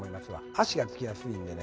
あしがつきやすいんでね。